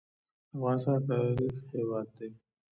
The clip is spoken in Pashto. افغانستان د تاریخ هیواد دی